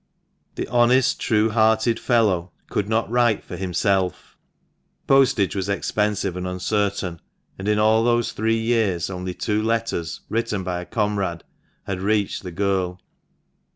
The honest, true hearted fellow could not write for himself, postage was expensive and uncertain, and in all those three years only two letters, written by a comrade, had reached the girl.